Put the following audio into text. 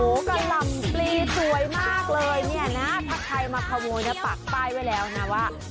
โอ้โหกะลำตีต่วมากเลยเนี่ยนะถ้าใครมาขโมยเนี่ยปักไปไว้แล้วนะว่า